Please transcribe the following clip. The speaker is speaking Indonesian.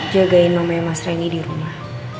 jagain mama ya mas reni di rumah